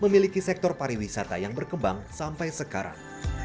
memiliki sektor pariwisata yang berkembang sampai sekarang